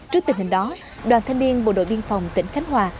trước tình hình đó đoàn thanh niên bộ đội biên phòng tỉnh khánh hòa